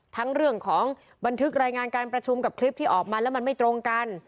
ทั้งเรื่องของบันทึกรายงานการประชุมกับคลิปที่ออกมาแล้วมันไม่ตรงกัน